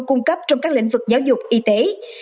cung cấp trong các lĩnh vực giáo dục y tế